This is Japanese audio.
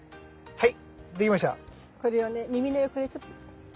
はい。